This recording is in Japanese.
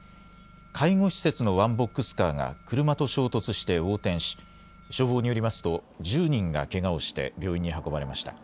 介護施設のワンボックスカーが車と衝突して横転し消防によりますと１０人がけがをして病院に運ばれました。